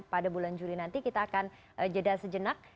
pada bulan juli nanti kita akan jeda sejenak